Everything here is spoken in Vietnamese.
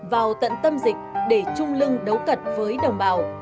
vào tận tâm dịch để trung lưng đấu cật với đồng bào